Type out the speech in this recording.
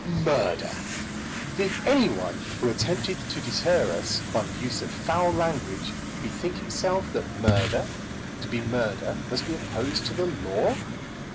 Murder! Did any one who attempted to deter us by the use of foul language, bethink himself that murder, to be murder, must be opposed to the law?